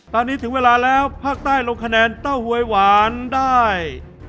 ตอนนี้ถึงเวลาแล้วภาคใต้ลงคะแนนเต้าหวยหวานได้